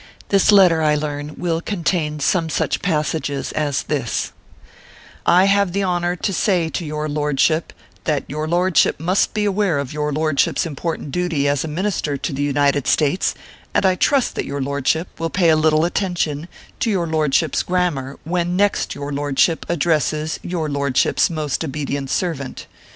This letter, I learn, will contain some such passages as this :" I have the honor to say to your lordship, that your lordship must be aware of your lordship s im portant duty as a Minister to the United States, and I trust that your lordship will pay a little attention to your lordship s grammar when next your lordship addresses your lordship s most obedient servant.